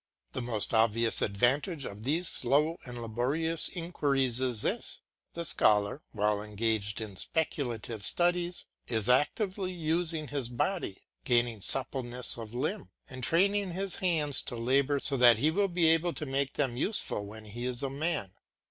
The most obvious advantage of these slow and laborious inquiries is this: the scholar, while engaged in speculative studies, is actively using his body, gaining suppleness of limb, and training his hands to labour so that he will be able to make them useful when he is a man.